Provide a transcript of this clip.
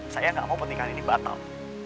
saya nggak mau pernikahan ini batal